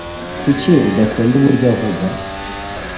Kuki udakunda uburyo avuga?